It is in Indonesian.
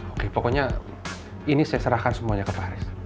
oke pokoknya ini saya serahkan semuanya ke pak haris